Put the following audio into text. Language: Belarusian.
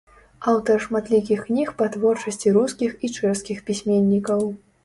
Аўтар шматлікіх кніг па творчасці рускіх і чэшскіх пісьменнікаў.